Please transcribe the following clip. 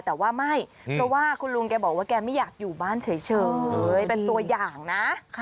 แต่ว่าไม่เพราะว่าคุณลุงแกบอกว่าแกไม่อยากอยู่บ้านเฉยเป็นตัวอย่างนะ